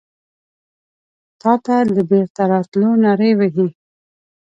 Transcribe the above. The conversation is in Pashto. تاته د بیرته راتلو نارې وهې